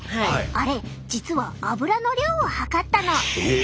あれ実はアブラの量を測ったの。え！？